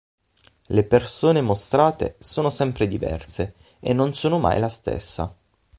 Le persone mostrate sono sempre diverse e non sono mai la stessa.